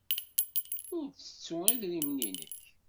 Ur ttettu idrimen-nnek.